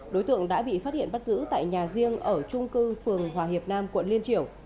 đối tượng đã bị phát hiện bắt giữ tại nhà riêng ở trung cư phường hòa hiệp nam quận liên triểu